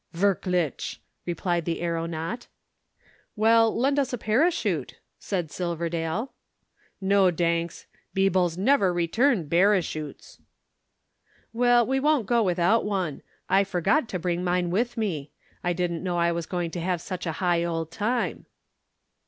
"Wirklich," replied the aeronaut "Well, lend us a parachute," said Silverdale. "No, danks. Beobles never return barachutes." "Well, we won't go without one. I forgot to bring mine with me. I didn't know I was going to have such a high old time."